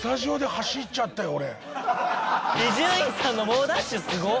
伊集院さんの猛ダッシュすごっ。